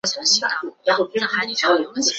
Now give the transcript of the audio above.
提防